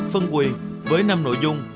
phân quyền với năm nội dung